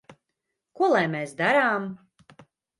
Ko lai mēs darām?